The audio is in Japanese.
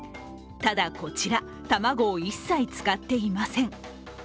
ただこちら、卵を一切使っていません。